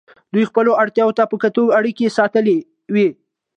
دوی خپلو اړتیاوو ته په کتو اړیکې ساتلې وې.